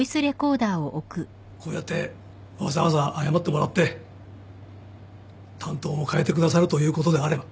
こうやってわざわざ謝ってもらって担当も代えてくださるということであれば。